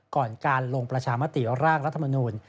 ก่อนการลงประชามติร่างรัฐมนูล